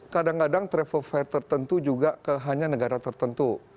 kadang kadang travel fair tertentu juga hanya negara tertentu